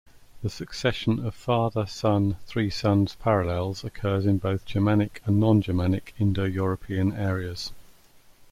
The succession of father-son-three sons parallels occurs in both Germanic and non-Germanic Indo-European areas.